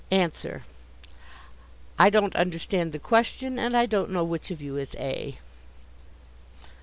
Answer: I don't understand the question, and I don't know which of you is A.